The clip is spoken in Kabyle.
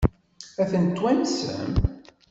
Ad tent-twansem?